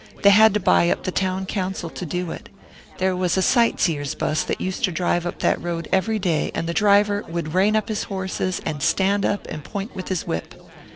"They had to buy up the town council to do it. There was a sight seers' bus that used to drive up that road every day, and the driver would rein up his horses and stand up and point with his whip.